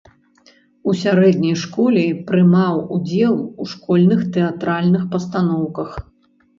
У сярэдняй школе прымаў удзел у школьных тэатральных пастаноўках.